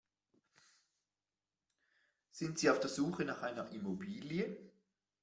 Sind Sie auf der Suche nach einer Immobilie?